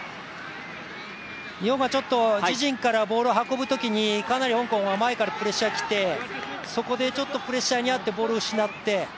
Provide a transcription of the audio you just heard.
日本がちょっと自陣からボールを運ぶときにかなり香港、前からプレッシャーきて、そこでプレッシャーがあって、ボールを失って。